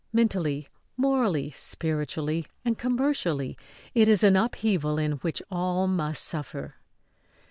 Mentally, morally, spiritually and commercially, it is an upheaval in which all must suffer.